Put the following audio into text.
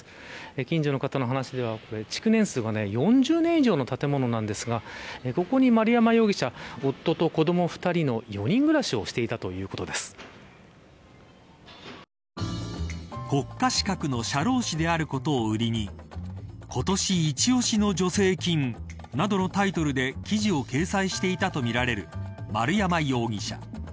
近所の方の話では築年数は４０年以上の建物ですがここに丸山容疑者は夫と子ども２人の４人暮らしを国家資格の社労士であることを売りに今年一押しの助成金！などのタイトルで記事を掲載していたとみられる丸山容疑者。